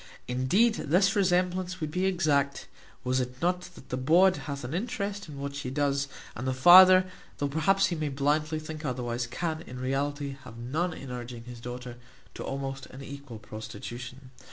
Indeed this resemblance would be exact, was it not that the bawd hath an interest in what she doth, and the father, though perhaps he may blindly think otherwise, can, in reality, have none in urging his daughter to almost an equal prostitution.